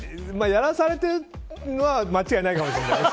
やらされてるのは間違いないかもしれない。